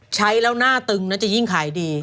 ใช้แล้วหน้าตึงน่าจะยิ่งขายดี